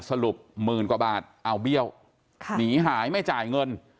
สรุปหมื่นกว่าบาทเอาเบี้ยวหนีหายไม่จ่ายเงิน